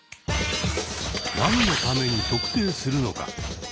何のために「特定」するのか。